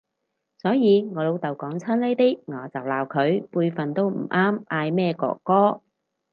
所以我老豆講親呢啲我就鬧佢，輩份都唔啱嗌咩哥哥